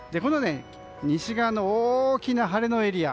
西側の大きな晴れのエリア。